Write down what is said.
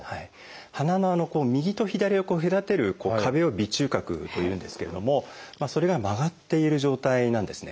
鼻の右と左を隔てる壁を鼻中隔というんですけれどもそれが曲がっている状態なんですね。